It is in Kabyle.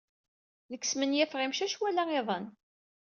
Nekk smenyafeɣ imcac wala iḍan.